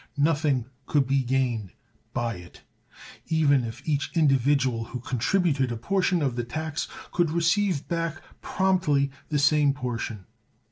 Nothing could be gained by it even if each individual who contributed a portion of the tax could receive back promptly the same portion.